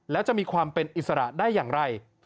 แล้วจะมีความเป็นอิสระได้อย่างไร